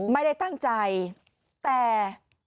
ไม่ได้ตั้งใจแต่